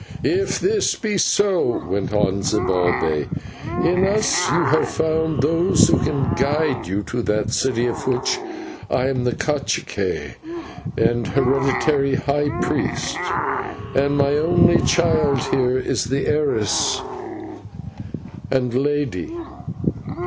"If this be so," went on Zibalbay, "in us you have found those who can guide you to that city, of which I am the /cacique/ and hereditary high priest, and my only child here is the heiress and lady.